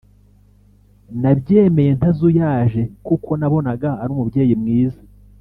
nabyemeye ntazuyaje kuko nabonaga ari umubyeyi mwiza